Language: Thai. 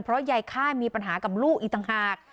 เพราะยายค่ายมีปัญหากับลูกอีกต่างหาก